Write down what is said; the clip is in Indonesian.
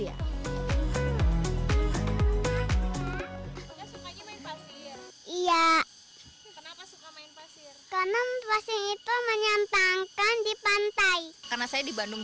iya kenapa suka main pasir karena pasir itu menyentangkan di pantai karena saya di bandung